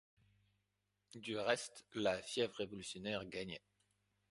Du reste, la fièvre révolutionnaire gagnait.